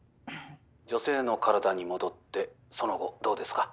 女性の体に戻ってその後どうですか？